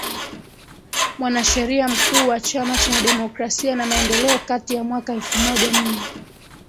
mwanasheria mkuu wa Chama cha demokrasia na maendeleoKati ya mwaka elfu moja mia